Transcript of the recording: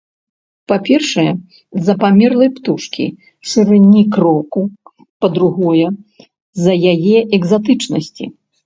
Па-першае, з-за памераў птушкі, шырыні кроку, па-другое, з-за яе экзатычнасці.